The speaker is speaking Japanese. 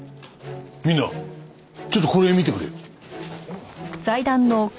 みんなちょっとこれ見てくれよ。